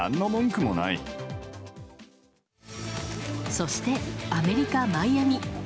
そして、アメリカ・マイアミ。